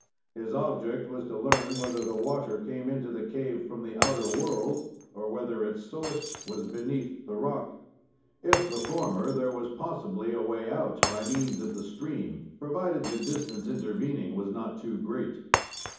His object was to learn whether the water came into the cave from the outer world, or whether its source was beneath the rock. If the former, there was possibly a way out by means of the stream, provided the distance intervening was not too great.